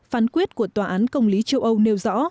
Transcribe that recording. phán quyết của tòa án công lý châu âu nêu rõ